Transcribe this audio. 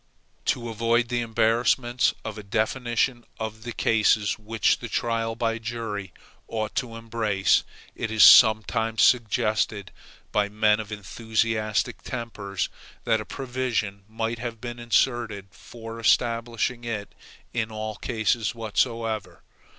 To avoid the embarrassments of a definition of the cases which the trial by jury ought to embrace, it is sometimes suggested by men of enthusiastic tempers, that a provision might have been inserted for establishing it in all cases whatsoever.